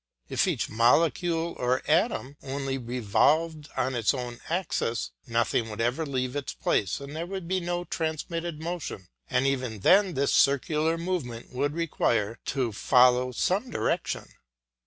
If every molecule or atom only revolved on its own axis, nothing would ever leave its place and there would be no transmitted motion, and even then this circular movement would require to follow some direction.